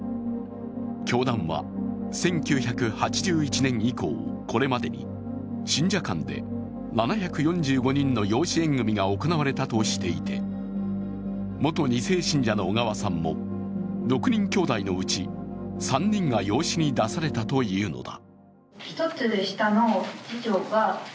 教団は１９８１年以降、これまでに信者間で７４５人の養子縁組が行われたとしていて、元２世信者の小川さんも６人兄弟のうち３人が養子に出されたというのだ。